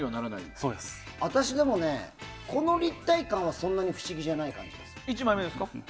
でも私、この立体感はそんなに不思議じゃないんだよね。